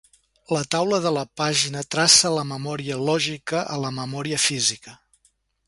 La taula de la pàgina traça la memòria lògica a la memòria física.